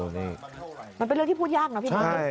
มันเป็นเรื่องที่พูดยากใช่มั้ย